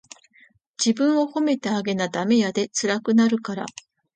自分を褒めてあげなダメやで、つらくなるから。